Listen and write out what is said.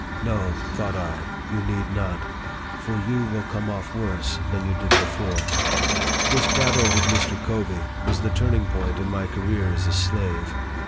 " No," thought I, " you need not ; for you will come off worse than you did before." This battle with Mr. Covey was the turning point in my career as a slave.